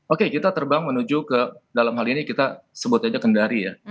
oke kita terbang menuju ke dalam hal ini kita sebut aja kendari ya